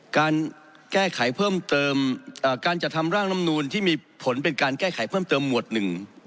การแก้ไขเพิ่มเติมการจัดทำร่างลำนูนที่มีผลเป็นการแก้ไขเพิ่มเติมหมวดหนึ่ง